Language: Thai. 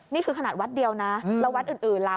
นี่คือขนาดวัดเดียวนะแล้ววัดอื่นล่ะ